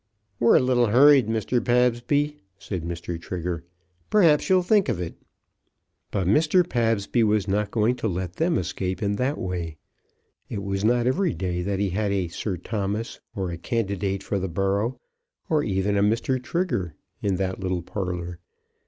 "We're a little hurried, Mr. Pabsby," said Mr. Trigger; "perhaps you'll think of it." But Mr. Pabsby was not going to let them escape in that way. It was not every day that he had a Sir Thomas, or a candidate for the borough, or even a Mr. Trigger, in that little parlour.